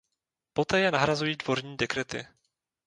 Poté je nahrazují dvorní dekrety.